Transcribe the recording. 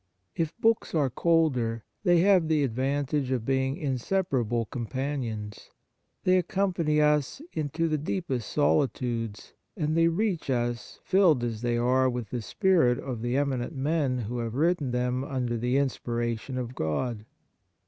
If books are colder, they have the advantage of being insepar able companions ; they accompany us into the deepest solitudes ; and they reach us, filled as they are with the spirit of the eminent men who have written them under the inspira tion of God.